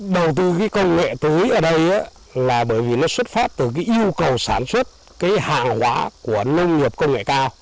đầu tư công nghệ tưới ở đây là bởi vì nó xuất phát từ yêu cầu sản xuất hàng hóa của nông nghiệp công nghệ cao